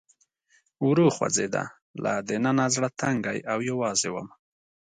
ورو خوځېده، له دننه زړه تنګی او یوازې ووم.